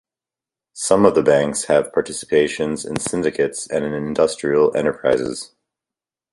Some of the banks have participations in syndicates and in industrial enterprises.